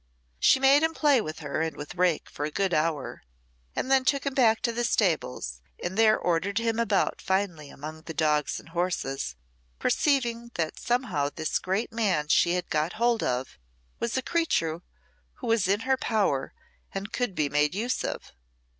She made him play with her and with Rake for a good hour, and then took him back to the stables, and there ordered him about finely among the dogs and horses, perceiving that somehow this great man she had got hold of was a creature who was in power and could be made use of.